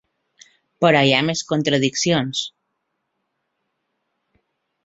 Però hi ha més contradiccions.